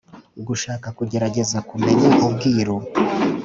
Gushaka kugerageza kumenya ubwiru